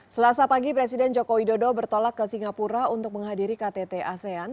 selasa pagi presiden joko widodo bertolak ke singapura untuk menghadiri ktt asean